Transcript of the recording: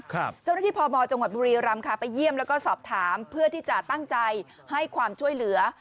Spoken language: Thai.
เจ้าหน้าที่พมจังหวัดบุรีรำค่ะไปเยี่ยมแล้วก็สอบถามเพื่อที่จะตั้งใจให้ความช่วยเหลือ